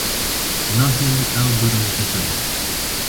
Nahêlin ew bi roj bifire.